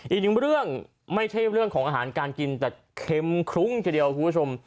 อีกหนึ่งเรื่องไม่ใช่เรื่องของอาหารการกินแต่เค็มคลุ้งทีเดียวคุณผู้ชม